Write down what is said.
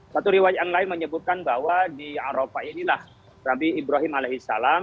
satu riwayat yang lain menyebutkan bahwa di arafah inilah nabi ibrahim as